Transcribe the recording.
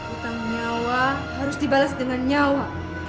utang nyawa harus dibalas dengan nyawa